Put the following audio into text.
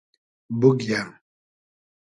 بوگیۂ